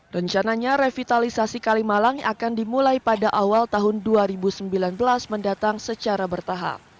rencananya revitalisasi kalimalang akan dimulai pada awal tahun dua ribu sembilan belas mendatang secara bertahap